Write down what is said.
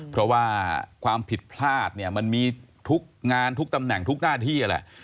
เพราะว่าความผิดพลาดเนี่ยมันมีทุกงานทุกตำแหน่งทุกหน้าที่แหละ